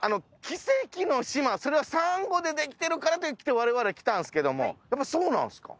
奇跡の島それはサンゴでできてるからって我々は来たんすけどもそうなんすか？